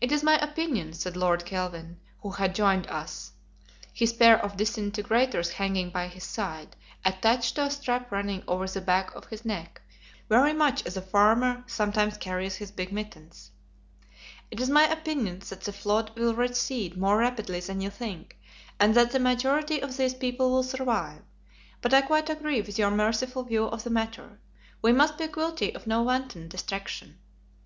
"It is my opinion," said Lord Kelvin, who had joined us (his pair of disintegrators hanging by his side, attached to a strap running over the back of his neck, very much as a farmer sometimes carries his big mittens), "it is my opinion that the flood will recede more rapidly than you think, and that the majority of these people will survive. But I quite agree with your merciful view of the matter. We must be guilty of no wanton destruction.